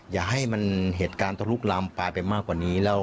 อย่าให้มันเหตุการณ์ต้องลุกลามปลายไปมากกว่านี้